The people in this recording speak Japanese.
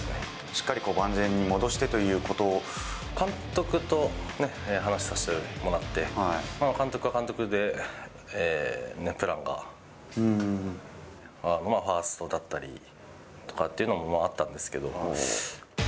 しっかり、万全に戻してとい監督とね、話させてもらって、原監督は監督で、プランが、ファーストだったりとかっていうのもあったんですけど。